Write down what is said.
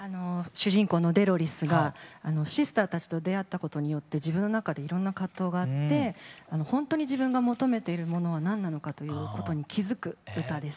主人公のデロリスがシスターたちと出会ったことによって自分の中でいろんな葛藤があってほんとに自分が求めているものは何なのかということに気付く歌です。